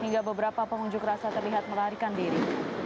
hingga beberapa pengunjuk rasa terlihat melarikan diri